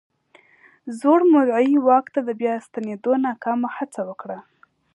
زوړ مدعي واک ته د بیا ستنېدو ناکامه هڅه وکړه.